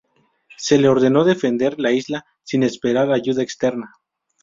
Se le ordenó defender la isla sin esperar ayuda externa.